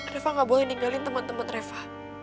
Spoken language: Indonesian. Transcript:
reva gak boleh ninggalin temen temen reva